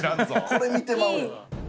これ見てまうよ。